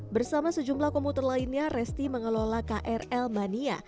bersama sejumlah komuter lainnya resti mengelola krl mania